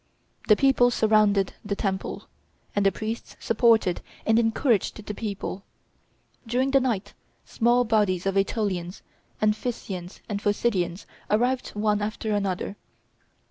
The people surrounded the temple, and the priests supported and encouraged the people. During the night small bodies of AEtolians, Amphisseans, and Phocidians arrived one after another.